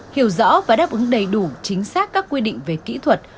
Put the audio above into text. hiểu rõ và đáp ứng đầy đủ chính xác các quy định về kỹ thuật